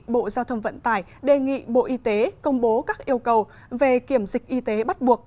bộ giao thông vận tải đề nghị bộ y tế công bố các yêu cầu về kiểm dịch y tế bắt buộc